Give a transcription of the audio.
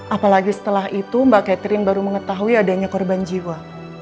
apalagi setelah itu mbak catherine baru mengetahui adanya korban jiwa